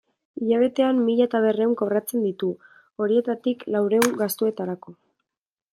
Hilabetean mila eta berrehun kobratzen ditu, horietatik laurehun gastuetarako.